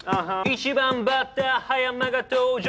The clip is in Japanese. １番バッター葉山が登場